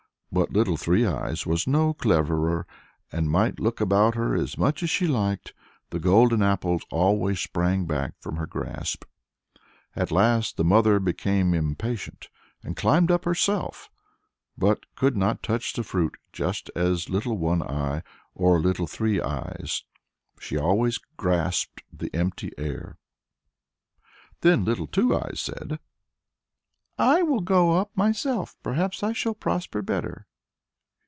But Little Three Eyes was no cleverer, and might look about her as much as she liked the golden apples always sprang back from her grasp. At last the mother became impatient, and climbed up herself, but could touch the fruit just as little as Little One Eye or Little Three Eyes; she always grasped the empty air. Then Little Two Eyes said, "I will go up myself; perhaps I shall prosper better."